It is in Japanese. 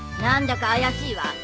何だか怪しいわ。